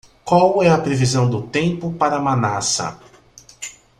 Qual é a previsão do tempo para Manassa??